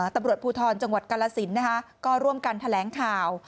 ตำรวจภูทรจังหวัดกาลสินก็ร่วมกันแถลงข่าว